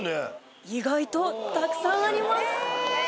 意外とたくさんあります